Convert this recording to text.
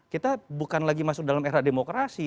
kita bukan lagi masuk dalam era demokrasi